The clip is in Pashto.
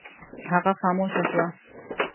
هغه خاموشه شوه.